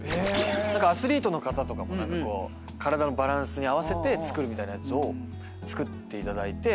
何かアスリートの方とかも体のバランスに合わせて作るみたいなやつを作っていただいて。